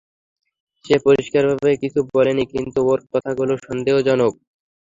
সে পরিষ্কারভাবে কিছু বলেনি, কিন্তু ওর কথাগুলো সন্দেহজনক।